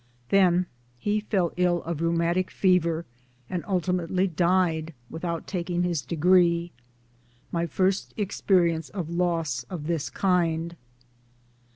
Then he fell ill of rheumatic fever, and ultimately died without taking his degree my first experience of loss of this kind.